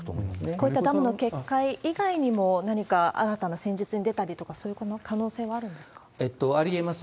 こういったダムの決壊以外にも何か新たな戦術に出たりとか、ありえます。